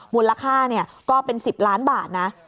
มูลค่าก็เป็น๑๐ล้านบาทนะ